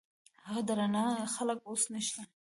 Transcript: هغه درانه خلګ اوس نشته.